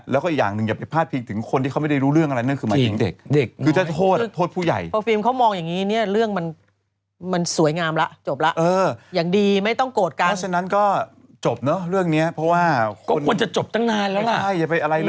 แล้วก็อีกอย่างหนึ่งอย่าไปพลาดที่ถึงคนที่ไม่รู้เรื่องอะไร